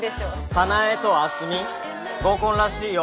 早苗と明日美合コンらしいよ